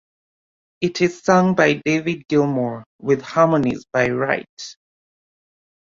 It is sung by David Gilmour, with harmonies by Wright.